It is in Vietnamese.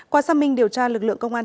qua xác minh điều tra lực lượng công an